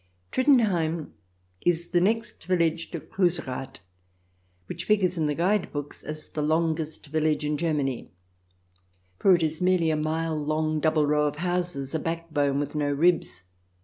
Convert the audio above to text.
Trittenheim is the next village to Cluserath, which figures in the guide books as the longest village in Germany, for it is merely a mile long double row of houses, a backbone with no ribs.